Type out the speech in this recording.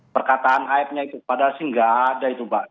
perkataan ayatnya itu padahal sih nggak ada itu mbak